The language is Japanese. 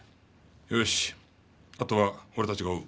よしあとは俺たちが追う。